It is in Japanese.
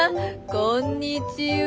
こんにちは。